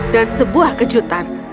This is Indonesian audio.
dan sebuah kejutan